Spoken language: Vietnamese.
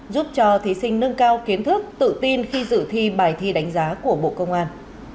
giúp cho thí sinh nâng cao kiến thức tự tin khi dự thi bài thi đánh giá của bộ công an